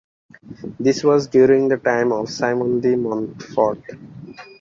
This was during the time of Simon de Montfort.